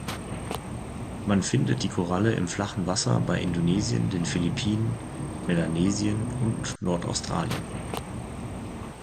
Man findet die Koralle im flachen Wasser bei Indonesien, den Philippinen, Melanesien und Nordaustralien.